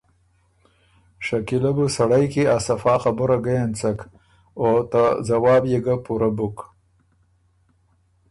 شکیلۀ بُو سړئ کی ا صفا خبُره ګۀ اېنڅک او ته ځواب يې ګۀ پُورۀ بُک۔